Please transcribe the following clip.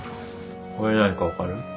これ何か分かる？